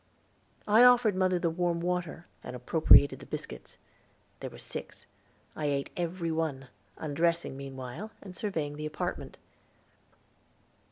I offered mother the warm water, and appropriated the biscuits. There were six. I ate every one, undressing meanwhile, and surveying the apartment.